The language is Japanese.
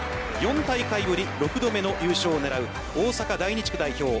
４大会ぶり６度目の優勝を狙う大阪第２地区代表